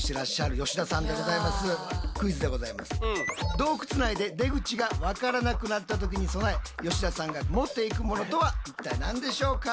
洞窟内で出口がわからなくなったときに備え吉田さんが持って行くものとは一体何でしょうか？